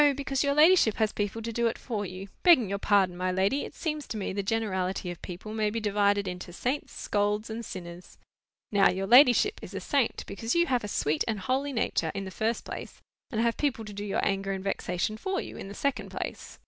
because your ladyship has people to do it for you. Begging your pardon, my lady, it seems to me the generality of people may be divided into saints, scolds, and sinners. Now, your ladyship is a saint, because you have a sweet and holy nature, in the first place; and have people to do your anger and vexation for you, in the second place.